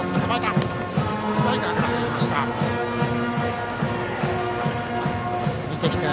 スライダーから入りました。